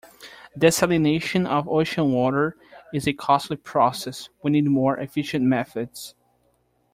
Desalination of ocean water is a costly process, we need more efficient methods.